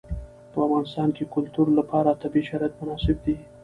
په افغانستان کې د کلتور لپاره طبیعي شرایط مناسب دي.